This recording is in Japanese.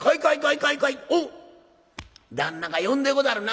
「おっ旦那が呼んでござるな。